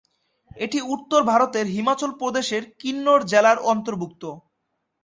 এটি উত্তর ভারতের হিমাচল প্রদেশের কিন্নর জেলার অন্তর্ভুক্ত।